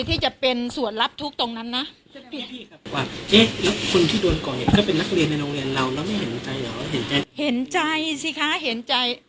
กินโทษส่องแล้วอย่างนี้ก็ได้